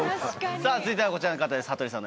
さぁ続いてはこちらの方です羽鳥さん